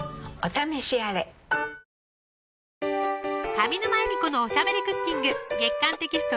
上沼恵美子のおしゃべりクッキング月刊テキスト